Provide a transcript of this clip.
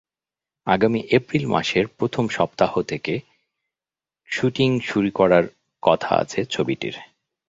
আগামী এপ্রিল মাসের প্রথম সপ্তাহ থেকে শুটিং শুরু করার কথা আছে ছবিটির।